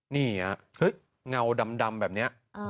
นี่เห้ยเงาดำแบบนี้